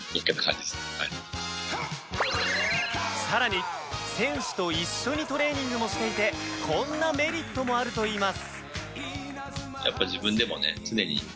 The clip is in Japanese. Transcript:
さらに選手と一緒にトレーニングもしていてこんなメリットもあるといいます